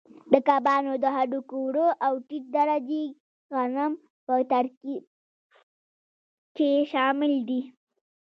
د کبانو د هډوکو اوړه او ټیټ درجې غنم په ترکیب کې شامل دي.